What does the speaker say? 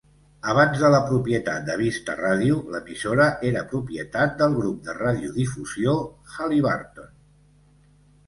Abans de la propietat de Vista Radio, l'emissora era propietat del grup de radiodifusió Haliburton.